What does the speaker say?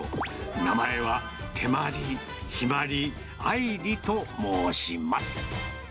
名前は、てまり、ひまり、あいりと申します。